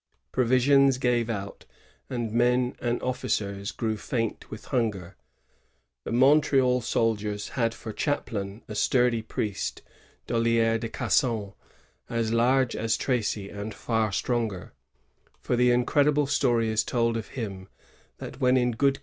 Provisions gave out, and men and officers grew faint with hunger. The Montreal soldiers had for chaplain a sturdy priest, Dollier de CasBon, as large as Tracy and far stronger ; for the incredible story is told of him that when in good ^ Marie de rincamatloii, Lettrt du 16 Oct^ 1666.